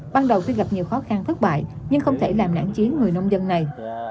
ban đầu tuy gặp nhiều khó khăn thất bại nhưng không thể làm nản chiến người nông dân này